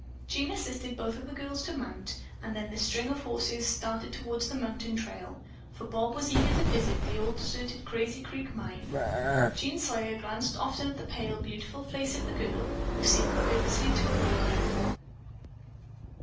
Jean assisted both of the girls to mount and then the string of horses started toward the mountain trail, for Bob was eager to visit the old deserted Crazy Creek mine. Jean Sawyer glanced often at the pale, beautiful face of the girl who seemed purposely to avoid him.